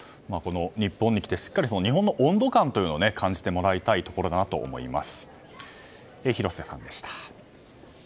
日本に来て、しっかり日本の温度感というのを感じてもらいたいところだと思います。